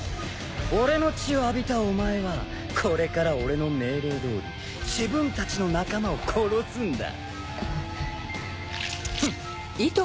俺の血を浴びたお前はこれから俺の命令どおり自分たちの仲間を殺すんだ。